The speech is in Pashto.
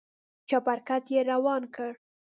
چپرکټ يې روان کړ.